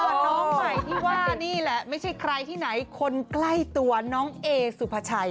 ส่วนน้องใหม่ที่ว่านี่แหละไม่ใช่ใครที่ไหนคนใกล้ตัวน้องเอสุภาชัย